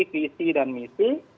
visi dan misi